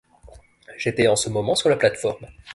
J’étais en ce moment sur la plate-forme.